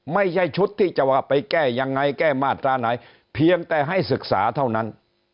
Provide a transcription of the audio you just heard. ไม่ใช่ชุดที่จะว่าไปแก้ยังไงแก้มาตราไหนเพียงแต่ให้ศึกษาเท่านั้น